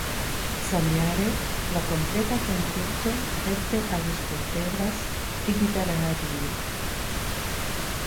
Samjare la kompleta konkurso rekte auŝkulteblas digitalradie.